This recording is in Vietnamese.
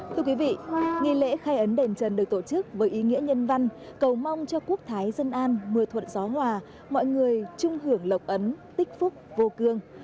thưa quý vị nghi lễ khai ấn đền trần được tổ chức với ý nghĩa nhân văn cầu mong cho quốc thái dân an mưa thuận gió hòa mọi người trung hưởng lộc ấn tích phúc vô cương